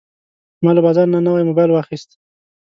ما له بازار نه نوی موبایل واخیست.